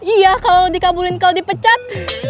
iya kalau dikabulin kalau dipecat